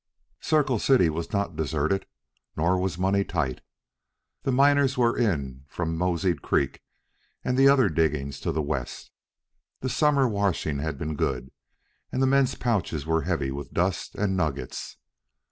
Circle City was not deserted, nor was money tight. The miners were in from Moseyed Creek and the other diggings to the west, the summer washing had been good, and the men's pouches were heavy with dust and nuggets.